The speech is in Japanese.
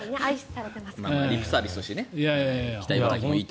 リップサービスとして北茨城もいいと。